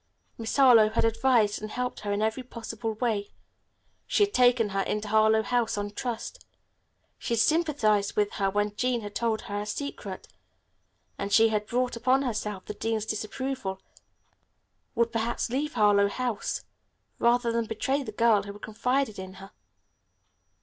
Miss Harlowe had advised and helped her in every possible way. She had taken her into Harlowe House on trust. She had sympathized with her when Jean had told her her secret, and she had brought upon herself the dean's disapproval, would perhaps leave Harlowe House, rather than betray the girl who had confided in her.